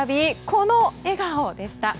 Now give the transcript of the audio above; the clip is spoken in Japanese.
この笑顔でした。